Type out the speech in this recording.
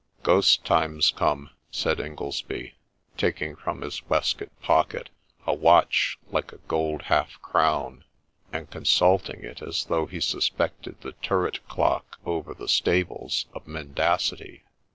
' Ghost time 's come !' said Ingoldsby, taking from his waist coat pocket a watch like a gold half crown, and consulting it as though he suspected the turret clock over the stables of men dacity.